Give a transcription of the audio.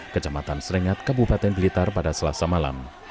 kecamatan serengat kabupaten blitar pada selasa malam